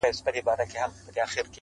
نظم لږ اوږد دی امید لرم چي وې لولی,